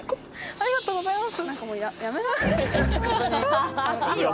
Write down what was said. ありがとうございます。